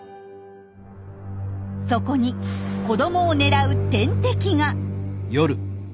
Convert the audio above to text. そこに子どもを狙う天敵が。